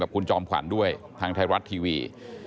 คุณจอมขวัญด้วยทางไทยรัฐทีวี